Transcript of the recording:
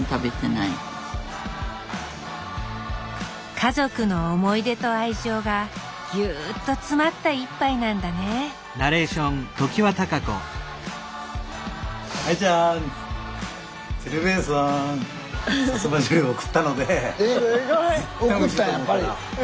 家族の思い出と愛情がぎゅっと詰まった一杯なんだねえ？